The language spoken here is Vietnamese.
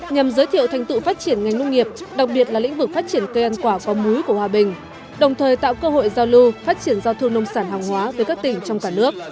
nhằm giới thiệu thành tựu phát triển ngành nông nghiệp đặc biệt là lĩnh vực phát triển cây ăn quả có múi của hòa bình đồng thời tạo cơ hội giao lưu phát triển giao thương nông sản hàng hóa với các tỉnh trong cả nước